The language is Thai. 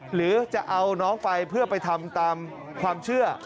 หรือจะเอาน้องไปเพื่อไปทำตามความเชื่อ